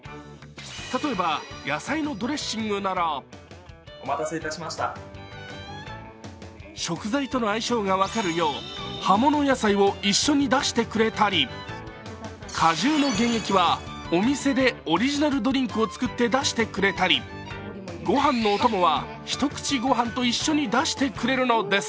例えば野菜のドレッシングなら食材との相性が分かるよう葉物野菜を一緒に出してくれたり果汁の原液はお店でオリジナルドリンクを作って出してくれたりご飯のおともは一口ご飯と一緒に出してくれるのです。